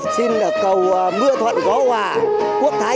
xin cầu mưa thuận gó hòa quốc thái